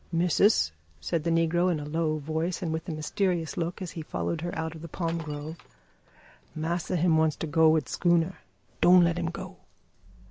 "Missis," said the negro, in a low voice, and with a mysterious look, as he followed her out of the palm grove, "massa him wants to go wid schooner. Don' let him go."